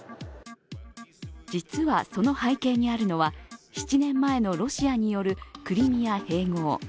実はその背景にあるのは、７年前のロシアによるクリミア併合。